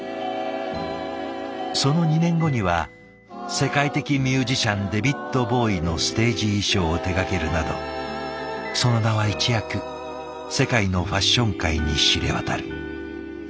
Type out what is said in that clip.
その２年後には世界的ミュージシャンデビッド・ボウイのステージ衣装を手がけるなどその名は一躍世界のファッション界に知れ渡る。